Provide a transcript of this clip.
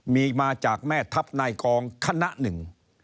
มีมาจากแม่ทัพนายกองคณะหนึ่ง